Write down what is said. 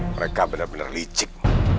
mereka benar benar licik